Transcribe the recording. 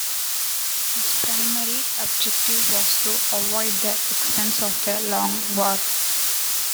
His primary objective was to avoid the expense of a long war.